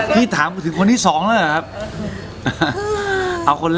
พี่ถามถึงคนที่สองแล้วเหรอครับ